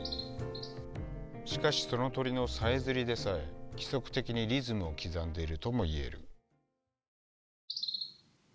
しかしその鳥のさえずりでさえ規則的にリズムを刻んでいるともいえる。